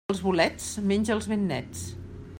Els bolets, menja'ls ben nets.